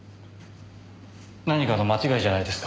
何かの間違いじゃないですか？